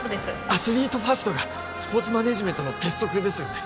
アスリートファーストがスポーツマネージメントの鉄則ですよね